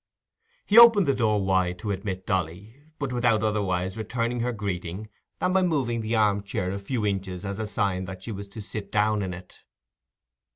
He opened the door wide to admit Dolly, but without otherwise returning her greeting than by moving the armchair a few inches as a sign that she was to sit down in it.